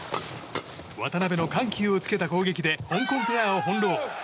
渡辺の緩急をつけた攻撃で香港ペアを翻弄。